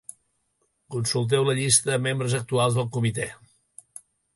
Consulteu la llista de membres actuals del comitè.